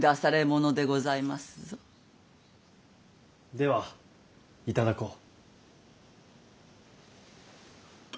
では頂こう。